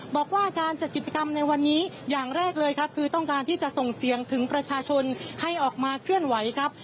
บอกว่าการจัดกิจกรรมในวันนี้อย่างแรกเลยครับคือต้องการที่จะส่งเสียงถึงประชาชนให้ออกมาเคลื่อนไหวครับ